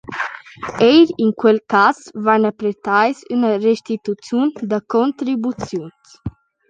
Eir in quel cas vain pretais üna restituziun da contribuziuns.